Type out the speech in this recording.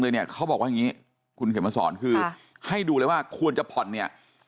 เนี่ยเขาบอกว่าอย่างนี้คุณเข็มมาสอนคือให้ดูเลยว่าควรจะผ่อนเนี่ย